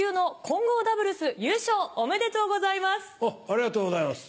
ありがとうございます。